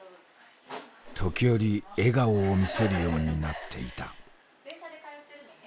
時折笑顔を見せるようになっていた。